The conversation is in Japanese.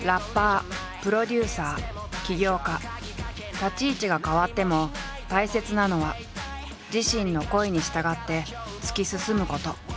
立ち位置が変わっても大切なのは自身の声に従って突き進むこと。